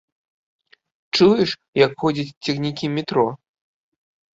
Чуеш, як ходзяць цягнікі метро.